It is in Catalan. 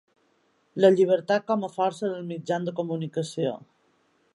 La llibertat com a força dels mitjans de comunicació.